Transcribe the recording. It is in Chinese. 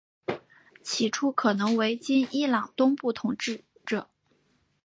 起初可能为今伊朗东部统治者。